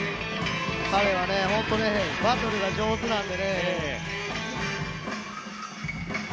彼は本当、バトルが上手なんでね。